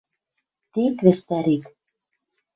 Тек вӹстӓрет